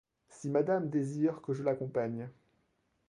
Si madame désire que je l'accompagne.